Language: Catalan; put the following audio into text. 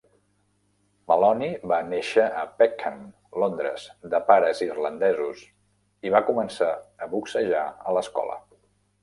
Maloney va néixer a Peckham, Londres, de pares irlandesos, i va començar a boxejar a l'escola.